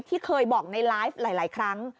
ที่เคยบอกในไลฟ์หลายครั้ง